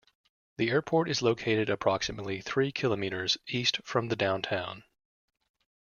The airport is located approximately three kilometers east from the downtown.